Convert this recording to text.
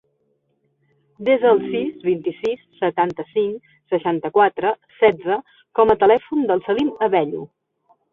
Desa el sis, vint-i-sis, setanta-cinc, seixanta-quatre, setze com a telèfon del Salim Abello.